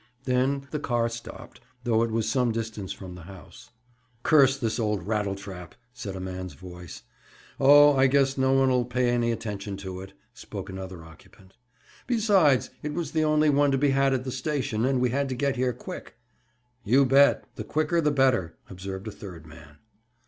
Then the car stopped, though it was some distance from the house. "Curse this old rattletrap!" said a man's voice. "Oh, I guess no one'll pay any attention to it," spoke another occupant. "Besides, it was the only one to be had at the station, and we had to get here quick." "You bet! The quicker, the better," observed a third man.